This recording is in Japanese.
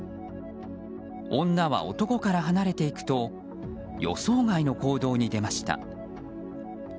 女は男から離れていくと予想外の行動に出ました。